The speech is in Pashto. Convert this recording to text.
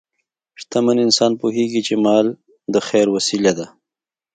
شتمن انسان پوهېږي چې مال د خیر وسیله ده.